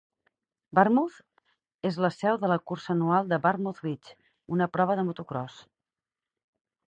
Barmouth és la seu de la cursa anual de Barmouth Beach, una prova de motocròs.